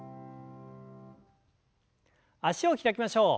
脚を開きましょう。